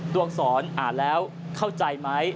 องศรอ่านแล้วเข้าใจไหม